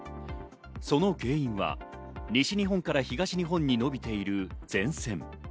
その原因は西日本から東日本に伸びている前線。